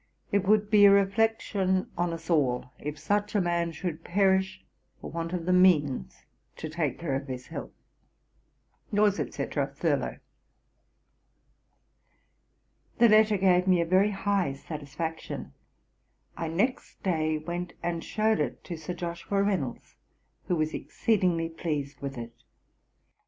It would be a reflection on us all, if such a man should perish for want of the means to take care of his health. Yours, &c. THURLOW.' This letter gave me a very high satisfaction; I next day went and shewed it to Sir Joshua Reynolds, who was exceedingly pleased with it.